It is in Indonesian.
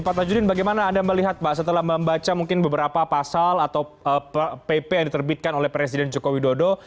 pak tajudin bagaimana anda melihat pak setelah membaca mungkin beberapa pasal atau pp yang diterbitkan oleh presiden joko widodo